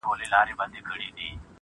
په یوه لیدو په زړه باندي خوږ من سو-